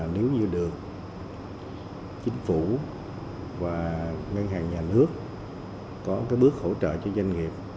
nếu như được chính phủ và ngân hàng nhà nước có cái bước hỗ trợ cho doanh nghiệp